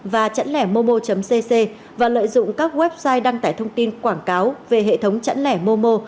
và chẵnlẻmomo cc và lợi dụng các website đăng tải thông tin quảng cáo về hệ thống chẵn lẻmomo